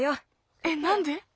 えなんで？